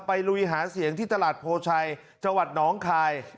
ลุยหาเสียงที่ตลาดโพชัยจังหวัดน้องคาย